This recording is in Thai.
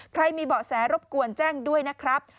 มีเบาะแสรบกวนแจ้งด้วยนะครับ